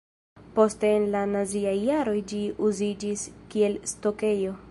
Poste en la naziaj jaroj ĝi uziĝis kiel stokejo.